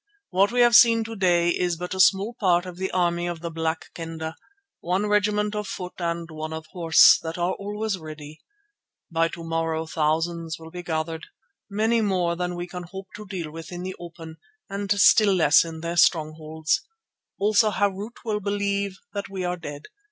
What we have seen to day is but a small part of the army of the Black Kendah, one regiment of foot and one of horse, that are always ready. By to morrow thousands will be gathered, many more than we can hope to deal with in the open and still less in their strongholds, also Harût will believe that we are dead.